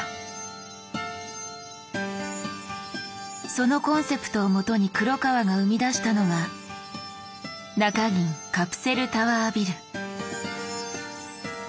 そのコンセプトをもとに黒川が生み出したのが中銀カプセルタワービル。